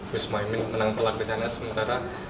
gus maimin menang telak disana sementara